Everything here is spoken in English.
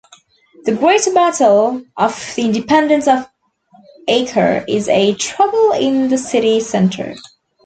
The "Great Battle of the Independence of Acre" is a trouble in the city-centre.